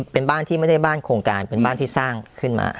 เป็นบ้านที่ไม่ได้บ้านโครงการเป็นบ้านที่สร้างขึ้นมา